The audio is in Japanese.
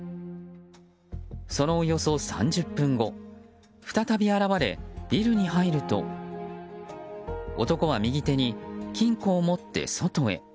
そのおよそ３０分後再び現れ、ビルに入ると男は右手に金庫を持って外へ。